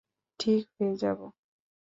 ঠিক হয়ে যাব।